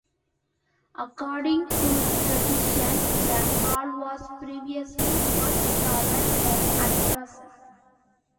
According to tradition, the hall was previously much taller than at present.